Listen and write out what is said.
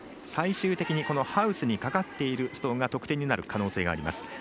最終的にハウスにかかっているストーンが得点になる可能性があります。